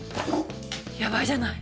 やばいじゃない！